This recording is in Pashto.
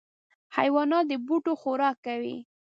حیوانات د بوټو خوراک کوي.